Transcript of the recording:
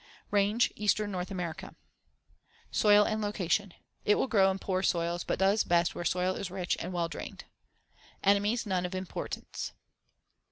Range: Eastern North America. Soil and location: It will grow in poor soils but does best where the soil is rich and well drained. Enemies: None of importance.